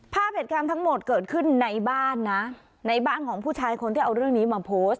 ภาพเหตุการณ์ทั้งหมดเกิดขึ้นในบ้านนะในบ้านของผู้ชายคนที่เอาเรื่องนี้มาโพสต์